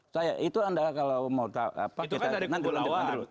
saya itu anda kalau mau tahu pak kita dengan duluan depan dulu